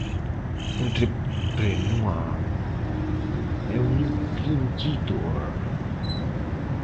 Entrepreneur é um empreendedor.